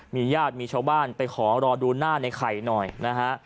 มีญาติมีชาวบ้านไปขอรอดูหน้าในไข่หน่อยนะฮะ